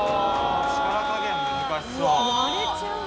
力加減難しそう。